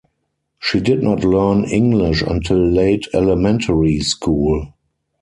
She did not learn English until late elementary school.